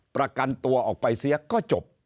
ประกันตัวออกไปเสียก็จบ